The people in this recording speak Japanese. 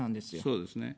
そうですね。